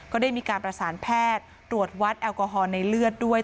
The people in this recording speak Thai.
ก็ได้มีการประสานแพทย์ตรวจวัดแอลกอฮอลในเลือดด้วย